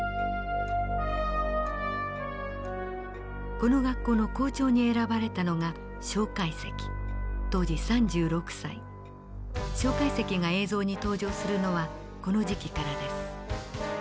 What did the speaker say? この学校の校長に選ばれたのが介石が映像に登場するのはこの時期からです。